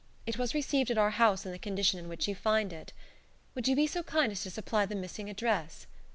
It was received at our house in the condition in which you find it. Would you be so kind as to supply the missing address?